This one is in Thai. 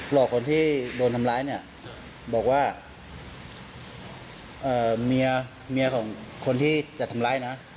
หลอกคนที่โดนทำร้ายเนี่ยบอกว่าเมียเมียของคนที่จะทำร้ายนะ